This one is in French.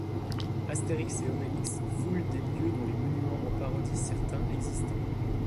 Astérix et Obélix foulent des lieux dont les monuments en parodient certains existants.